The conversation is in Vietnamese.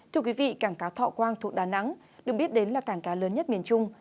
thưa quý vị cảng cá thọ quang thuộc đà nẵng được biết đến là cảng cá lớn nhất miền trung